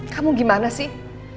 kamu gimana sih